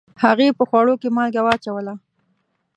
هغې په خوړو کې مالګه واچوله